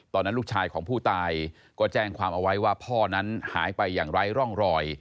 ตอนนั้นลูกชายของผู้ตายก็แจ้งความเอาไว้ว่าพ่อนั้นหายไปอย่างไร้ร่องรอย